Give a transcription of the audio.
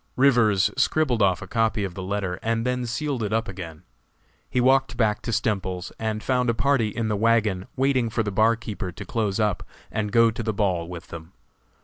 Rivers scribbled off a copy of the letter and then sealed it up again. He walked back to Stemples's and found a party in the wagon waiting for the barkeeper to close up and go to the ball with them.